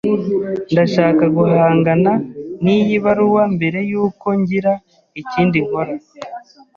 Ndashaka guhangana niyi baruwa mbere yuko ngira ikindi nkora.